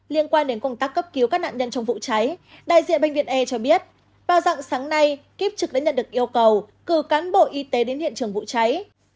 liên quan đến công tác cấp cứu các nạn nhân trong vụ cháy đại diện bệnh viện e cho biết vào dạng sáng nay kiếp trực đã nhận được yêu cầu cử cán bộ y tế đến hiện trường vụ cháy